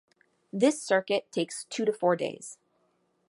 This circuit takes two to four days.